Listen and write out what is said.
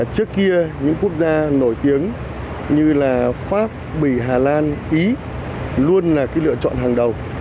trước kia những quốc gia nổi tiếng như là pháp bỉ hà lan ý luôn là lựa chọn hàng đầu